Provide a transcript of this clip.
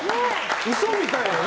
嘘みたいだな。